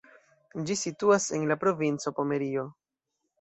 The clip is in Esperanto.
Ĝi situas en la provinco Pomerio.